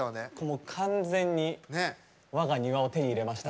もう完全に我が庭を手に入れました。